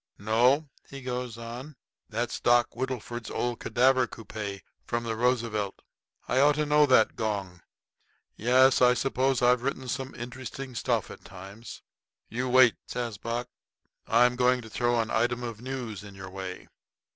"No," he goes on, "that's Doc. Whittleford's old cadaver coupé from the Roosevelt. I ought to know that gong. Yes, I suppose I've written some interesting stuff at times." "You wait," says Buck; "I'm going to throw an item of news in your way."